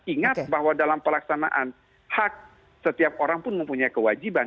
ingat bahwa dalam pelaksanaan hak setiap orang pun mempunyai kewajiban